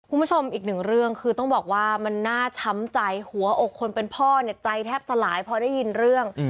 คุณผู้ชมอีกหนึ่งเรื่องคือต้องบอกว่ามันน่าช้ำใจหัวอกคนเป็นพ่อเนี่ยใจแทบสลายพอได้ยินเรื่อง